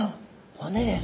骨です。